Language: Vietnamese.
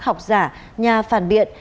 học giả nhà phản biện